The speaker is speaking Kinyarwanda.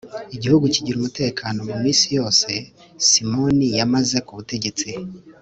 igihugu kigira umutekano mu minsi yose simoni yamaze ku butegetsi